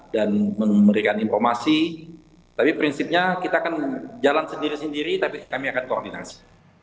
dan memberikan informasi tapi prinsipnya kita akan jalan sendiri sendiri tapi kami akan koordinasi